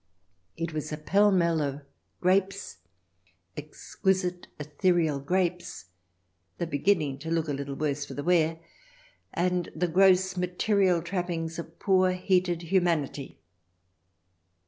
It was a pell mell of grapes — exquisite, ethereal grapes, though beginning to look a little the worse for wear — and the gross material trappings of poor, heated humanity.